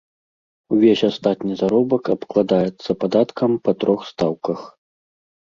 Увесь астатні заробак абкладаецца падаткам па трох стаўках.